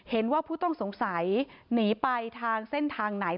เห็นว่าผู้ต้องสงสัยหนีไปทางเส้นทางไหน